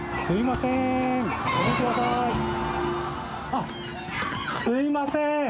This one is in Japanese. あっすいません